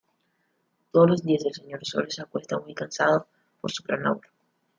Todos los días el Señor Sol se acuesta muy cansado, por su gran labor.